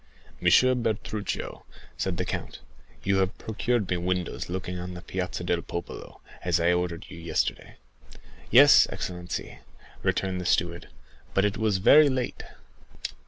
"Monsieur Bertuccio," said the count, "you have procured me windows looking on the Piazza del Popolo, as I ordered you yesterday." "Yes, excellency," returned the steward; "but it was very late."